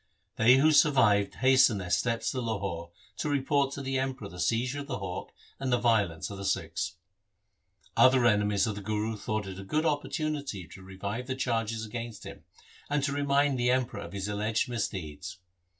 They who sur vived hastened their steps to Lahore to report to the Emperor the seizure of the hawk and the violence of the Sikhs. Other enemies of the Guru thought it a good opportunity to revive the charges against him, and to remind the Emperor of his alleged misdeeds.